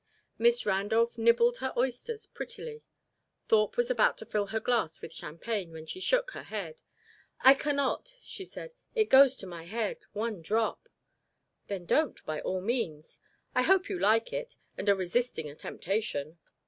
Miss Randolph nibbled her oysters prettily. Thorpe was about to fill her glass with champagne, when she shook her head. "I cannot," she said. "It goes to my head one drop." "Then don't, by all means. I hope you like it, and are resisting a temptation."